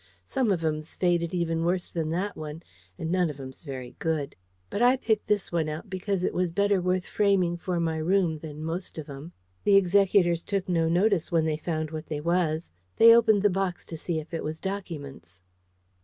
Some of 'em's faded even worse than that one, and none of 'em's very good; but I picked this one out because it was better worth framing for my room than most of 'em. The executors took no notice when they found what they was. They opened the box to see if it was dockyments."